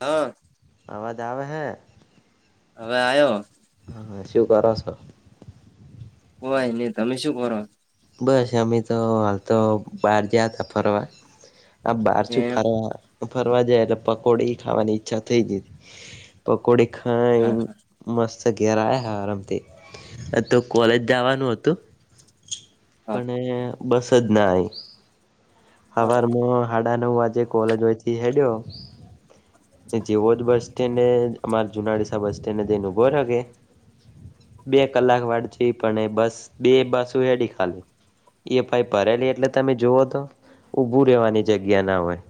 હ અવાજ આવે હૈ હવે આયો હા શું કરો છો હું કાયની તમે શું કરો બસ અમે તો હાલ તો બહાર જયા તા ફરવા આ બાર શું એમ ફરવા ફરવા જાય એટલે પકોડી ખાવાની ઈચ્છા થઈ જઈ પકોડી ખાઈ હા ન મસ્ત ઘેર આયા આરામથી તો કોલેજ જવાનું હતું હા પને બસ જ ના આયી બરોબર હવાર મા હાડા નવ વાજે કોલેજ હોયથી હેડયો જેવો જ બસ સ્ટેન્ડને અમાર જુનાડીસા બસ સ્ટેન્ડને જઈને ઉભો ર કે બે કલાક વાળ જોયું પણ એ બસ બે બસ હેડી ખાલી એ ભાઈ ભરેલી એટલે તમે જોવો તો ઊભું રહેેવાની જગ્યા ના હોય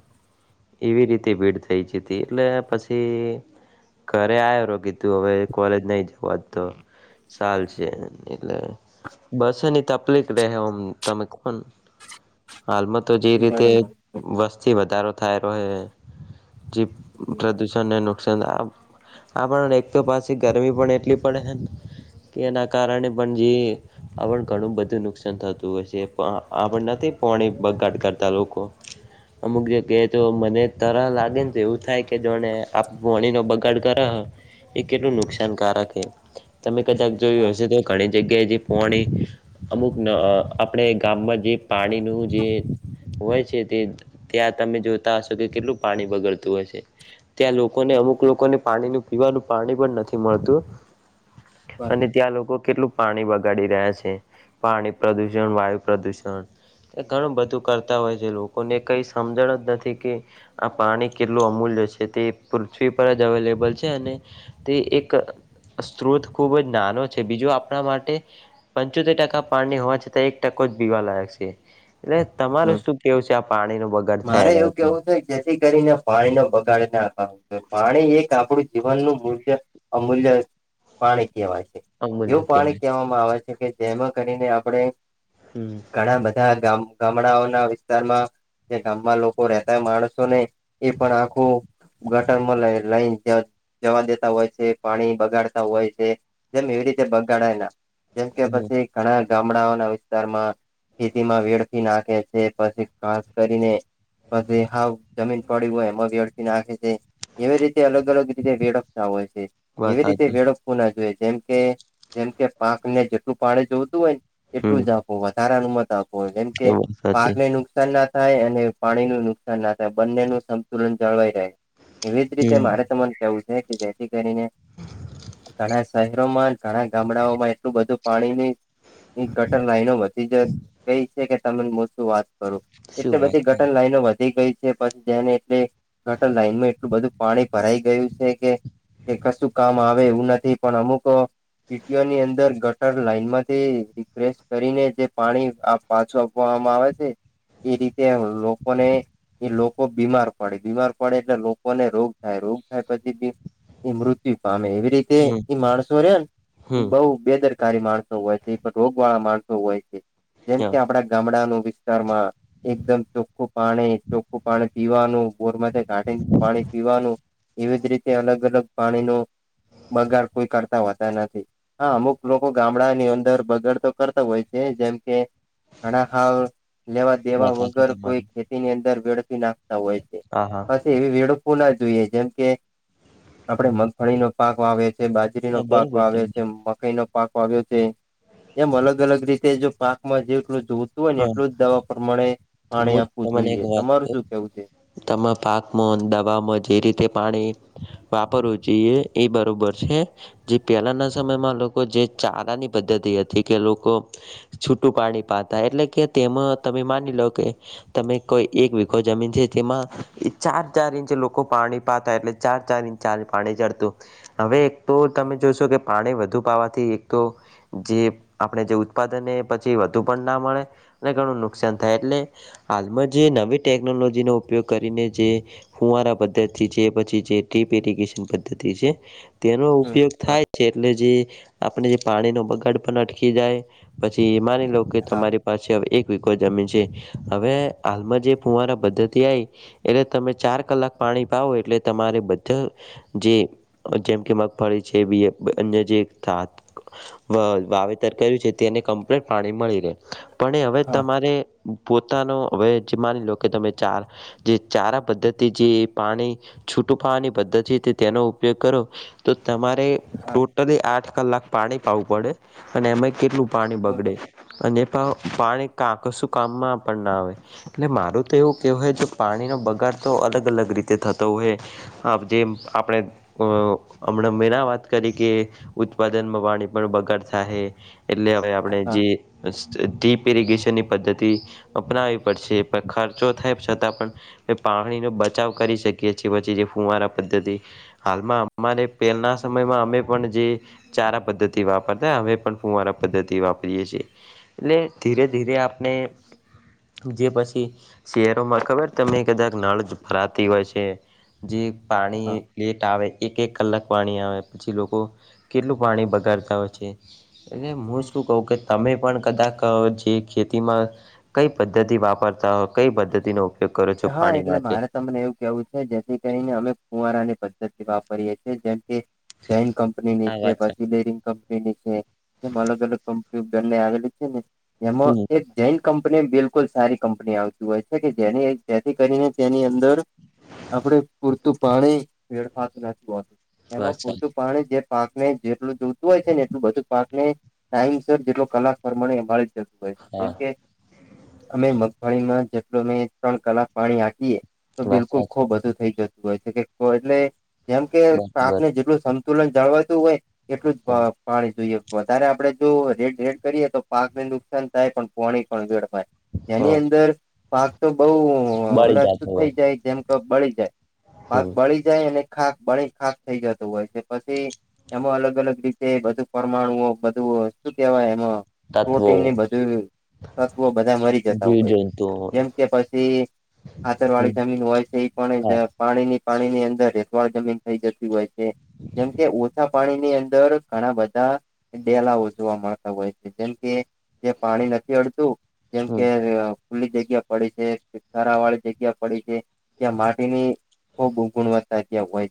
એવી રીતે ભીડ થઈ હતી એટલે પછી ઘરે આયા રોગી તું હવે કોલેજ નહી જવા જ તો ચાલ છે એટલે બસની તકલીફ રહે આમ [unintelligible] હાલમાં તો જે રીતે વસ્તી વધારો થાય રોહે જે પ્રદૂષણ ને નુકસાન આ આ પણ એક તો પાછી ગરમી પણ એટલી પડે છે કે એના કારણે પણ જે આપણ ઘણું બધું નુકસાન થતું હોય છે આપન નથી પોણી બગાડ કરતા લોકો અમુક જગ્યાએ તો મને તર લાગે ને તો એવું થાય કે જાને વણી નો બગાડ કરો એ કેટલું નુકસાનકારક છે તમે કદાક હા જોયું હશે તો ઘણી જગ્યાએ જે પોણી અમુક આપણે ગામમાં જે પાણી નું જે હોય છે તે ત્યાં તમે જોતા હશો કે કેટલું પાણી બગડતું હશે. ત્યાં લોકોને અમુક લોકોને પાણીનું પીવાનું પાણી પણ નથી મળતું અને બરોબર ત્યાં લોકો કેટલું પાણી બગાડી રહ્યા છે. પાણી પ્રદુષણ, વાયુ પ્રદૂષણ એ ઘણું બધું કરતા હોય છે. લોકોને કઈ સમજણ જ નથી કે આ પાણી કેટલું અમૂલ્ય છેતે પૃથ્વી પર જ અવેલેબલ છે અને તે એક સ્ત્રોત ખૂબ જ નાનો છે. બીજો આપણા માટે પંચોતેર ટકા પાણી હોવા છતાં એક ટકો જ પીવા લાયક છે. એટલે તમારું શું કેવું છે આ પાણી નું બગડ થાય મારે એના એવું ઉપર? કેવું છે જેથી કરીને પાણી નો બગાડને પાણી એક આપણું જીવનનું મૂળ્ય અમૂલ્ય પાણી કેવાય છે. અમૂલ્ય એવું પાણી કેવાય કહેવામાં આવે છે કે જેમાં કરીને આપણે હમ. ઘણા બધા ગામ ગામડાઓના વિસ્તારમાં જે ગામમાં લોકો રહેતા માણસોને એ પણ આખું ગટરમાં લ લાઈન છે. જવા દેતા હોય છે, પાણી બગાડતા હોય છે. જેમ એવી રીતે બગાડાયના જેમ કે હમ પછી ઘણા ગામડાઓના વિસ્તારમાં ખેતીમાં વેડ [unintelligible] નાખે છે પછી ખાસ કરીને પછી હાવ જમીન પડી હોય એમાં વેડફી નાખે છે. એવીરીતે અલગ અલગ રીતે વેળપતા હોય છે. વાત એવી રીતે સાચી વેળ ના જોઈએ જેમકે જેમ કે પાકને જેટલું પાણી જોતું હોય ને હમ એટલું જ આપવા સારા ન મત આપોય જેમ કે એ વાત સાચી પાકને નુકસાન ના થાય અને પાણી નું નુકસાન ના થાય બંને નું સંતુલન જળવાઈ રહે. એવી જ રીતે મારે તમને એવું છે કે જેથી કરીને ઘણા શહેરોમાં ઘણા ગામડાઓમાં એટલું બધું પાણીની એ ગટર લાઈનોમાંથી જ કઈ છે કે તને મો શું વાત કરું શું એટલે વાત બધી કરી. ગટર લાઈનો વધી ગઈ પછી જેને એટ ગટર લાઈનમાં એટલું બધું પાણી ભરાઈ ગયું છે કે કે કશું કામ આવે એવું નથી પણ અમુક સીટીઓની અંદર ગટર લાઈન માંથી રિફ્રેેશ કરીને જે પાણી આપ પાછું આપવામાં આવે છે. એ રીતે લોકોને એ લોકો બીમાર પડે. બીમાર પડે એટલે લોકોને રોગ થાય રોગ થાય પછી, તે એ મૃત્યુ પામે. એવી રીતે હમ એ માણસો રેને હમ એ બહુ બેદર કારી માણસો હોય છે, રોગ વાળા માણસો હોય છે. જેમ હા, કે આપડા ગામડાનું વિસ્તારમાં એકદમ ચોખ્ખું પાણી, ચોખ્ખું પાણી પીવાનું બોરમાંથી કાઢીને પાણી પીવાનું એવી જ રીતે અલગ અલગ પાણીનું બગાડ કોઈ કરતા હોતા નથી. હા અમુક લોકો ગામડા ની અંદર બગડતો કરતા હોય છે, જેમ કે ઘણા ખાવ લેવા દેવા વાત સાચી વગર કોઈ તમારી ખેતીની અંદર વેડફી નાખ હોય છે. હા હા [inaudible] એવી વેડફૂંના જોઈએ જેમ કે આપડે મગફળીનો પાક વાવે બાજરીનો હા પાક બરોબર આવે તમને છે મકાઈ નો પાક વાવ્યો છે. એમ અલગ અલગ રીતે જો પાકમાં જેટલું જો જોતું હોય ને હા એટલું જ દવા પ્રમાણે તો પાણી હું આપવું તમને એક જોઈએ વાત કહ તમારું શું કેવું છે. તમા પાકમાં દવામાં જે રીતે પાણી. વાપરવું જોઈએ એ બરોબર છે. જે પહેલાંના સમયમાં લોકો જે ચારાની પદ્ધતિ હતી કે લોકો છૂટું પાણી પાતા એટલે કે તેમાં તમે માની લો કે તમે કોઈ એક વીઘો જમીન છે તેમાં ચાર ચાર ઇંચ લોકો પાણી પાતા એટલે ચાર ચાર ઇંચ [unintelligible] પાણી ચડતું હવે એક તો તમે જોશો કે પાણી વધુ પાવાથી એક તો જે આપણે જે ઉત્પાદન પછી વધુ પણ ના મળે ને ઘણું નુકસાન થાય એટલે હાલમાં જે નવી ટેકનોલોજીનો ઉપયોગ કરીને જે. હુંવારા પદ્ધતિ જે પછી જે ટ્રીપ રીગેશન પદ્ધતિ છે. તેનો હમ ઉપયોગ થાય બરોબર છે. એટલે જે આપણે જે પાણીનો બગાડ પણ અટકી જાય પછી એ માની લો કે હા તમારી. પાછી હવે એક વિઘો જમીન છે. હવે હાલમાં જે ફુવારા પદ્ધતિ આવી. એટલે તમે ચાર કલાક પાણી પાવો એટલે તમારે બધા. જે જેમ કે મગફળી છે. અન્ય જે? વાવેતર કર્યું છે. તેને કમ્પ્લીટ પાણી મળી રહે પણ એ હવે હા તમારે પોતાનો હવે જે માની લો કે તમે ચાર. જે ચારા પદ્ધતિ જે પાણી છૂટું પાાવાની પદ્ધતિ તેનો ઉપયોગ કરો. તો તમારે. હા ટોટલી આઠ કલાક પાણી પાવું પડે અને એમાં કેટલું પાણી બગડે બરોબર અને. પાણી કાકસું કામમાં પણ ના આવે એટલે મારું. તો એવું હા કહેવવાય તો પાણીનો બગાડ તો અલગ અલગ રીતે થતો હોય જે આપણે. અ હમણાં મેં ના વાત કરી કે ઉત્પાદનમાં પાણી પણ બગાડ થાય. એટલે હવે આપણે હા જે ડીપ ઇરગેશનની પદ્ધતિ. અપનાવી પડશે પણ ખર્ચો થાય છતાં પણ. પાણીનો બચાવ કરી શકીએ છીએ છે પછી જે ફુવારા પદ્ધતિ. હાલમાં અમારે પહેલાના સમયમાં અમે પણ જે. ચારા પદ્ધતિ વાપરતા હવે પણ ફુંવારા પદ્ધતિ વાપરીએ છીએ. એટલે ધીરે ધીરે આપણે. જે પછી શહેરોમાં ખબર તમને કદાચ નળ ભરાતી હોય છે. જે હા પાણી લેટ આવે આવે. એક એક કલાક પાણી આવે પછી લોકો કેટલું પાણી બગાડતા હોય છે. એટલે હું શું કવ કે તમે પણ કદાચ જે ખેતીમાં. કઈ પદ્ધતિ વાપરતા હોય કઈ પદ્ધતિ નોક. હા એટલે મારે. તમને એવું કેવું છે જેથી કરીને અમે કુંવારાની પદ્ધતિ વાપરીએે છીએ જેમ કે. જન કંપની હા છે. વાત પછી બેરિંગ કંપની. એ અલગ અલગ કંપ્યુ બને આવેલી છે. ને એમાં સાચી એક. જૈન કંપની બિલકુલ સારી કંપની આવતી હોય છે. કે જેને. તેથી કરીને તેની અંદર આપણે પૂરતું પાણી ફેડફાતું ના હતું. એમાં વાત પૂરતું સાચી પાણી જે. પાક ને જેટલું જોતું હોય છે. ને એટલું બધું પાક ને ટાઈમ સર જેટલો કલાક પ્રમાણેરે. હા મ કે અમે મગફળીમાં જેટલો ત્રણ. કલાક પાણી આપીએ તો વાત બિલકુલ સાચી ખૂબ બધું થઈ જતું હોય છે. કે એટલે જેમ કે બરોબર પાકને જેટલું સંતુલન જાળવાતું હોય એટલું જ. પાણી જોઈએ વધારે આપડે જો રેડ રેડ કરીએ તો પાકને નુકસાન થાય પણ પાણી પણ વેડફાય. એની હા અંદર પાક તો બઉુ બળી ઉલાસ જતું હોય થઈ જાય જેમ કે બળી જાય. પાક હમ બળી જાય અને ખાક બળ ખાક થઈ જતું હોય છે પછી. એમાં અલગ અલગ રીતે બધું પરમાણુ બધું શું કેવાય એમાં. તત્વો પ્રોટીનની બધું તત્વો બધા મરી જતા હોય છે. તો જેમ કે પછી ખાતર વાળી જમીન હોય છે ઈ પણ એ હા જ પાણી ની પાણી ની અંદર રેતવાડ જમીન થઈ જતી હોય છે જેમકે ઓછા પાણી ની અંદર ઘણા બધા. ડેલાઓ જોવા મળતા હોય છે. જેમ કે જે પાણી નથી અડતું. જેમ હમ કે ખુલ્લી જગ્યા. પડી છારા વાળી જગ્યા પડી છે. ત્યાં માટીની. ખૂબ ખૂબ ગુણવત્તા ત્યાં હોય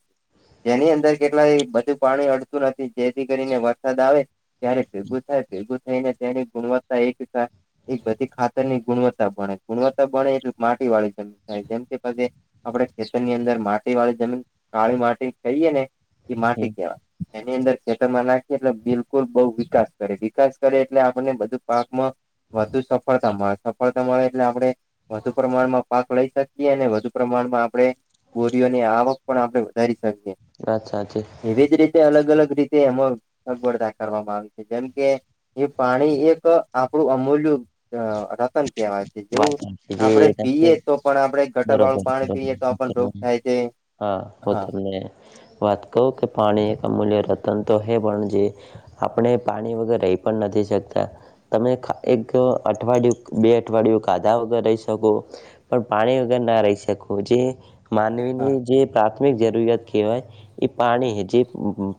જેની અંદર કેટલાય બધું પાણી અડતું નથી જેથી કરીને વરસાદ આવે ક્યારે ભેંગું થાય ભેગું એને તેની ગુણવત્તા એક એ બધી ખાતર ની ગુણવત્તા ભણે ગુણવત્તા બળે એટલે માટી વાળું થાય જેમ કે પછી આપડે ખેતર ની અંદર માટી વાળી જમીન કાળી માટી કહીએને એ માટી કહેવાય. એની અંદર ખેતરમાં નાખીએ એટલે બિલકુલ બહુ વિકાસ કરે વિકાસ કરે એટલે આપણને બધું પાકમાં વધુ સફળતા મળે સફળતા મળે એટલે આપડે વધુ પ્રમાણમાં પાક લઈ શકીએ અને વધુ પ્રમાણમાં આપડે બોરીઓની આવક પણ આપડે વધારી શકીએ વાત સાચી. એવી જ રીતે અલગ અલગ રીતે એમાં અગવડતા કરવામાં આવે છે જેમ કે એ પાણી એક આપડું અમૂલ્યુ રતન કહેવાય. વાત જેવું આપડે જે નથી પીએ તો પણ આપડે ગટર વાળું બરોબર પાણી પીએ તો આપણ રોગ બરોબર થાય છે. હા હું તમને વાત કહું કે પાણી એક અમૂલ્ય રતન તો હે પણ જે આપણે પાણી વગર રહી પણ નથી શકતા. તમે ખ એક અઠવાડિયું બે અઠવાડિયું ખાધા વગર રહી શકો પણ પાણી વગર ના રહી શકો જે હા માનવીની જે પ્રાથમિક જરૂરિયાત કહેવાય એ પાણી જે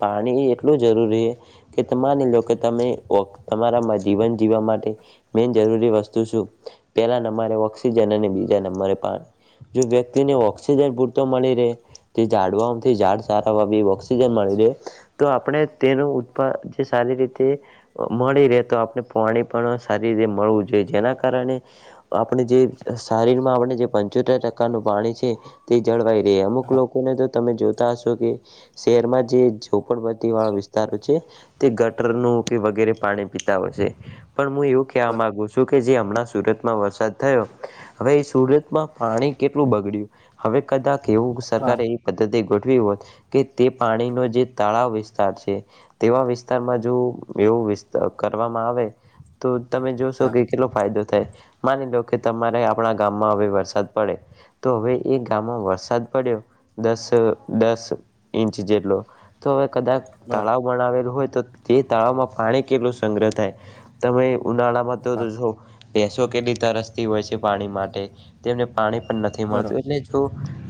પાણી એટલું જરૂરી હે કે માની લો કે તમે ઓક તમારામાં જીવન જીવવા માટે મેન જરૂરી વસ્તુ શું પેલા નંબરે ઓક્સિજન અને બીજા નંબરે પાણી જો વ્યક્તિને ઓક્સિજન પૂરતો મળી રહે તે ઝાડવા ઓમથી ઝાડ સારા વાવી ઓક્સિજન મળી રે તો આપડે તેનું ઉત્પા જે સારી રીતે મળી રે તો આપડે પોણી પણ સારી રીતે મળવું જોઈએ જેના કારણે આપડે જે શારીર માં આપણે જે પંચોતેર ટકાનું પાણી છે તે જળવાઈ રે અમુક હા લોકોને તો તમે જોતા હશો કે શેહરમાં જે ઝોપડપટી વાળા વિસ્તારો છે તે ગટરનું કે વગેરે પાણી પીતા હોય છે પણ મુ એવું કે કેઆ બરોબર માગુ છું કે જે હમણા સુરત માં વરસાદ થયો હવે એ સુરતમાં પાણી કેટલું બગડ્યું હવે કદાક એવું હા સરકારે પદ્ધતિ ગોઠવી હોત કે તે પાણીનો જે તળાવ વિસ્તાર છે. તેવા વિસ્તારમાં જો એવું વિસ્ત કરવામાં આવે તો તમે જોશો હા કે કેટલો ફાયદો થાય. માની લો કે તમારે આપણા ગામમાં હવે વરસાદ પડે તો હવે એ ગામમાં વરસાદ પડ્યો દસ દસ ઇંચ જેટલો તો હવે કદાક બરોબર તળાવ બનાવેલું હોય તો તે તળાવમાં પાણી કેટલું સંગ્રહ થાય તમે ઉનાળામાં હા તરો છો તો કેટલી તરસતી હોય છે પાણી માટે તેમને પાણી પણ નથી બરોબર મળતું એટલે તો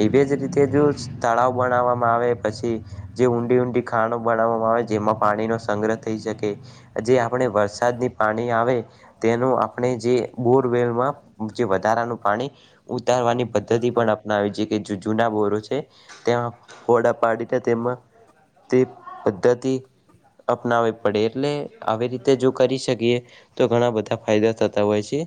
એવી જ રીતે જો તળાવ બનાવવામાં આવે પછી જે ઊંડી ઊંડી ખાણો બનાવવામાં આવે જેમાં પાણી નો સંગ્રહ થઈ શકે જે આપણે વરસાદની પાણી આવે તેનું આપણે જે બોરવેલમાં જે વધારાનું પાણી ઉતારવાની પદ્ધતિ હા પણ અપનાવે જે કે જુ-જૂના બોરો છે ત્યાં ફોડા પાડીને તેમાં તે પદ્ધતિ. અપનાવવી પડે એટલે આવી રીતે જો કરી શકીએ તો ઘણા બધા ફાયદા થતા હોય છે.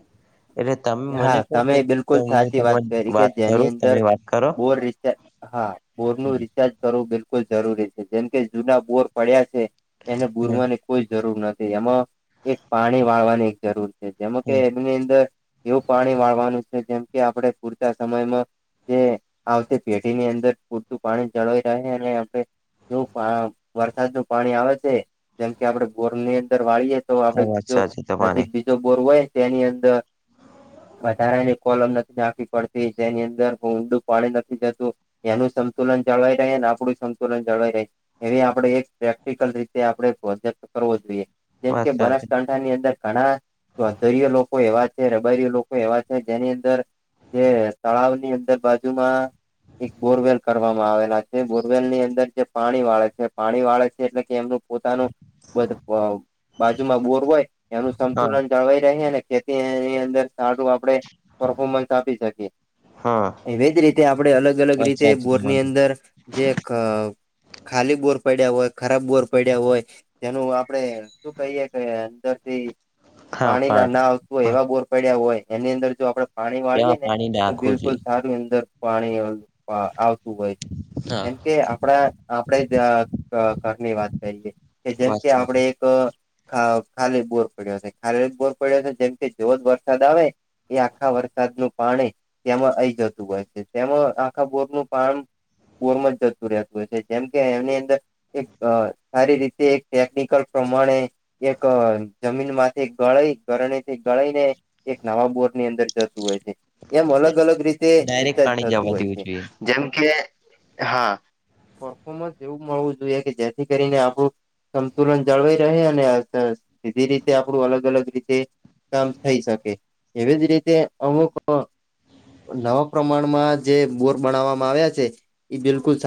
એટલે તમે મને હા કહો તમે કે તો બિલકુલ હું સાચી વાત તમારી કરી કે વાત જેની કરું અંદર તમે વાત કરો બોર રીચાર હા પૂર્ણ રિચાર્જ. કરવું બિલકુલ જરૂરી છે, જેમ કે જૂના બોર પડ્યા છે એને હમ પુરવાની. કોઈ જરૂર નથી એમાં. એક પાણી વાળવાની એક જરૂર છે, જેમાં કે હમ એમની અંદર એવું પાણી વાળવાનું છે, જેમ કે આપણે પૂરતા સમયમાં જે આવતી પેઢીની અંદર પૂરતું પાણી જળવાઈ રહે, અને આપણે જો વરસાદ નુ પાણી આવે છે, જેમ આપડે ગોરની અંદર વાળીએે તો આપડે હા વાત સાચી નજીક તમારી બીજો બોર હોય ને, તેની અંદર વધારાની કોલમ નથી નાખવી પડતી, જેની અંદર ઊંડું પાણી નથી જતું એનું સંતુલન જળવાઈ રહે અને આપડું સંતુલન જળવાઈ રહે છે. એવી આપણે એક પ્રેક્ટિકલ રીતે, આપણે પ્રોજેક્ટ કરવો જોઈએ. જેમ વાત કે સાચી બનાસકાંઠા ની અંદર ઘણા ચૌધર્ય લોકો એવા રબરી લોકો એવા છે, જેની અંદર જે તળાવની અંદર બાજુમાં એક બોરવેલ કરવામાં આવેલા છે. બોરવેલ ની અંદર જે પાણી વાળે છે, પાણી વાળે છે એટલે કે એમનું પોતાનું બાજુમાં બોર હોય, એનું હા સંતુલન જળવાઈ રહે અને ખેતી એની અંદર સારું આપણે પરફોમન્સ આપી શકીએ. હા એવી જ રીતે આપણે અલગ અલગ વાત રીતે સાચી બોરની તમારી અંદર જે ખાલી બોર પડ્યા હોય, ખરાબ બોર પડ્યા હોય. જેનું આપડે શું કહીએ કે, અંદરથી પાણી ના ના આવતું હોય, એવા બોર પડ્યા હોય એની અંદર જો આપણે પાણી તેમાં વાળીએે ને, પાણી તો નાખવું બિલકુલ જોઈએ સારું અંદર પાણી આવ આવતુ હોય છે હા એમ કે, આપણા આપણે જ ઘરની વાત કરીએ કે વાત જેમકે, સાચી આપણે એક ખાલી બોર પડ્યો છે. ખાલી એક બોર પડ્યો છે, જેમકે જોર યાદ આવે. એ આખા વરસાદનું પાણી તેમાં આઈ જતું હોય છે. તેમાં આખા બોરનું પાણી બોર મા જ જતું રહેતું હોય છે, જેમ કે એમની અંદર એક સારી રીતે, એક ટેકનિકલ પ્રમાણે એક જમીન માંથી ગળાઈ ગરણીથી ગળાઈ ને એક નવા બોર્ડ ની અંદર જતું હોય છે. એમ અલગ અલગ રીતે ડાયરેક્ટ રિચાર્જ પાણી થતું જવા હોય દેવું છે જોઈએ જેમ કે, હા, પરફોમન્સ એવું મળવું જોઈએ કે જેથી કરીને આપડું સંતુલન જળવાઈ રહે અને સીધી રીતે આપડું અલગ અલગ રીતે કામ થઈ શકે, એવી જ રીતે અમુક નવા પ્રમાણમાં જે બોર બનાવામાં આવ્યા છે, એ બિલકુલ